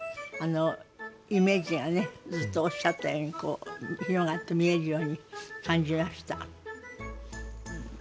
あのイメージがねずっとおっしゃったようにこう広がって見えるように感じました。